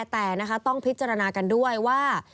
แต่นะคะต้องพิจารณากันด้วยว่า